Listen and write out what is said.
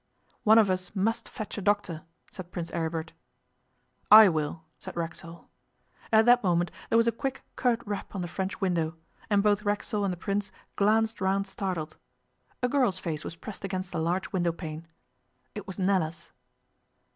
'One of us must fetch a doctor,' said Prince Aribert. 'I will,' said Racksole. At that moment there was a quick, curt rap on the french window, and both Racksole and the Prince glanced round startled. A girl's face was pressed against the large window pane. It was Nella's.